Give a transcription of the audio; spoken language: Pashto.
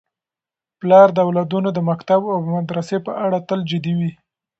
پلار د اولادونو د مکتب او مدرسې په اړه تل جدي وي.